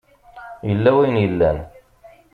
Yella wayen yellan.